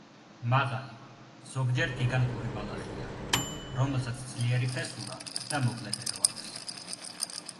მაღალი, ზოგჯერ გიგანტური ბალახია, რომელსაც ძლიერი ფესურა და მოკლე ღერო აქვს.